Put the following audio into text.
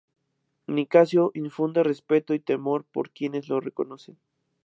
Nicasio infunde respeto y temor por quienes lo conocen.